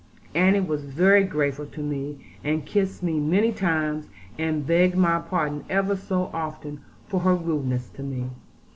Annie was very grateful to me, and kissed me many times, and begged my pardon ever so often for her rudeness to me.